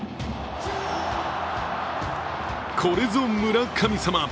これぞ村神様。